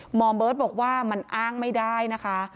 หมอเบิร์ตบอกว่ามันอ้างไม่ได้นะคะ